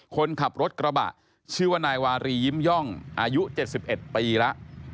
คนขับรถกระบะชื่อว่านายวารียิ้มย่องอายุ๗๑ปีแล้ว